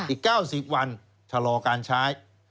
อีก๙๐วันชะลอการใช้